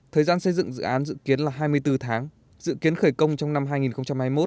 thời gian xây dựng dự án dự kiến là hai mươi bốn tháng dự kiến khởi công trong năm hai nghìn hai mươi một